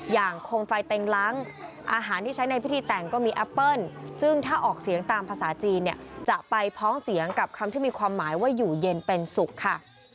โคมไฟเต็งล้างอาหารที่ใช้ในพิธีแต่งก็มีแอปเปิ้ลซึ่งถ้าออกเสียงตามภาษาจีนเนี่ยจะไปพ้องเสียงกับคำที่มีความหมายว่าอยู่เย็นเป็นสุขค่ะ